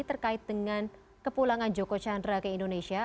terkait dengan kepulangan joko chandra ke indonesia